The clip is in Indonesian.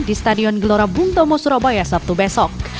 di stadion gelora bung tomo surabaya sabtu besok